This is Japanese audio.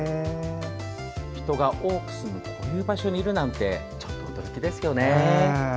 人が多く住むこういう場所にいるなんてちょっと、驚きですよね。